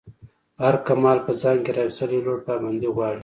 هر کمال په ځان کی راویستل یو لَړ پابندی غواړی.